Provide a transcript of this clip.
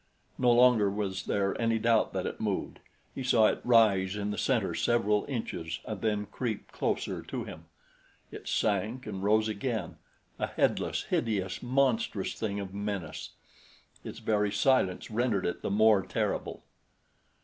No longer was there any doubt that it moved he saw it rise in the center several inches and then creep closer to him. It sank and arose again a headless, hideous, monstrous thing of menace. Its very silence rendered it the more terrible.